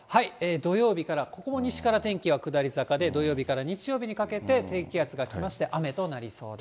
土曜日から、ここも西から天気は下り坂で、土曜日から日曜日にかけて低気圧が来まして、雨となりそうです。